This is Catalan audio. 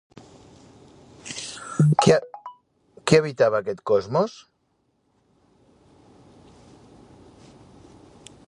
Qui habitava aquest cosmos?